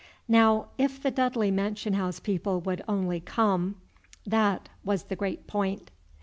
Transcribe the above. Now, if the Dudley mansion house people would only come, that was the great point.